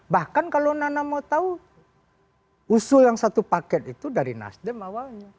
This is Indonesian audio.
bahkan kalau nana mau tahu usul yang satu paket itu dari nasdem awalnya